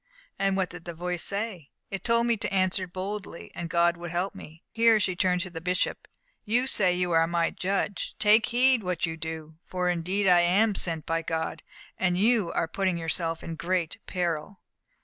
"And what did the voice say?" "It told me to answer boldly, and God would help me." Here she turned to the bishop. "You say that you are my judge. Take heed what you do, for indeed I am sent by God, and you are putting yourself in great peril."